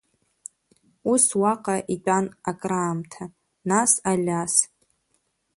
Ус уаҟа итәан акраамҭа, нас Алиас…